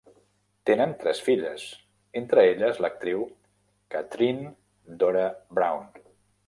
Tenen tres filles, entre elles l'actriu Kathryne Dora Brown.